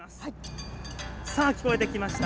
さあ聞こえてきました。